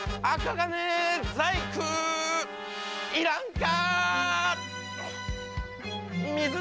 銅細工いらんか！